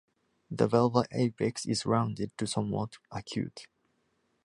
The valva apex is rounded to somewhat acute.